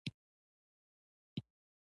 ذکریا ښه زده کونکی دی.